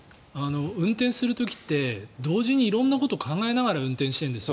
運転する時って同時に色々なことを考えながら運転してるんです。